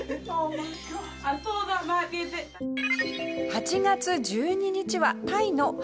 ８月１２日はタイの母の日。